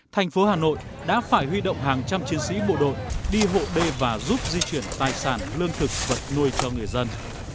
thành phố hà nội đã phải huy động hàng trăm chiến sĩ bộ đội đi hộ đê và giúp di chuyển tài sản lương thực vật nuôi cho người dân